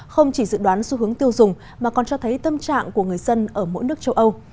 không chỉ dự đoán xu hướng tiêu dùng mà còn cho thấy tâm trạng của người dân ở mỗi nước châu âu